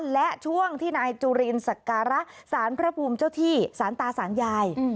และช่วงที่นายจุลินสักการะสารพระภูมิเจ้าที่สารตาสารยาย